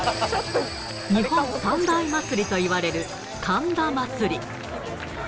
日本三大祭といわれる神田祭。